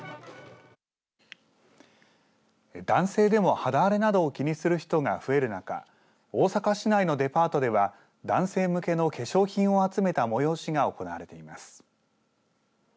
男性でも肌荒れなどを気にする人が増える中大阪市内のデパートでは男性向けの化粧品を集めた催しが行われています。